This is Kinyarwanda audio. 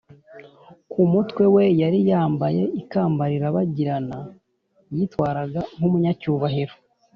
ku mutwe we yari yambaye ikamba rirabagirana yitwaraga nk’umunyacubahiro